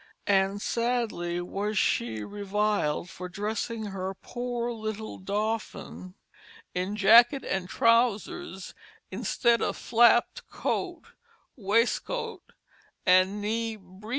And sadly was she reviled for dressing her poor little Dauphin in jacket and trousers instead of flapped coat, waistcoat, and knee breeches.